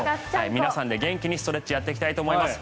皆さんで元気にストレッチをやっていきたいと思います。